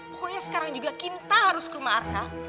pokoknya sekarang juga kita harus ke rumah arka